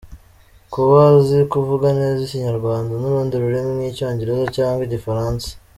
Kuba azi kuvuga neza ikinyarwanda n’urundi rurimi nk’Icyongereza cyangwa Igifaransa .